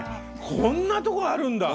「こんなとこあるんだ」